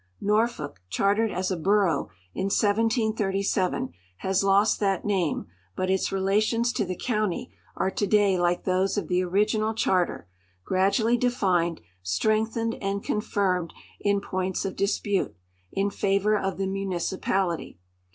Norfolk, chartered as a borough in 1737, has lost that name, but its relations to the county are to day like those of the original charter, gradually defined, strength ened, and confirmed, in points of dispute, in favor of the munici pality.